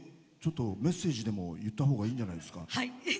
メッセージでも言ったほうがいいんじゃないですか？